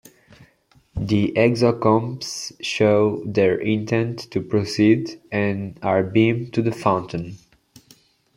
The Exocomps show their intent to proceed, and are beamed to the fountain.